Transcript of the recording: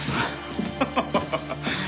ハハハハハ。